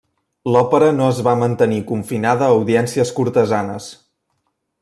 L'òpera no es va mantenir confinada a audiències cortesanes.